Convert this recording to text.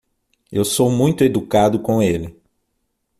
Eu sou muito educado com ele.